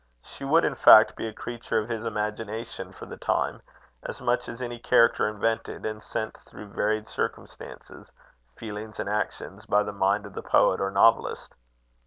She would, in fact, be a creature of his imagination for the time, as much as any character invented, and sent through varied circumstances, feelings, and actions, by the mind of the poet or novelist.